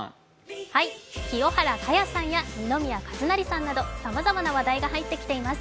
清原果耶さんや二宮和也さんなどさまざまな話題が入ってきています。